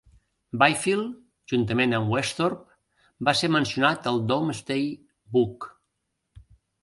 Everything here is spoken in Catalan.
Byfield, juntament amb Westhorp, va ser mencionat al "Domesday Book".